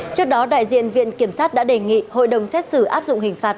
trước đó đại diện viện kiểm sát đã đề nghị hội đồng xét xử áp dụng hình phạt